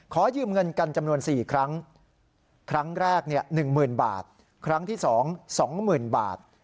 ขอยืมเงินกันจำนวน๔ครั้งครั้งแรก๑หมื่นบาทครั้งที่๒สองหมื่นบาท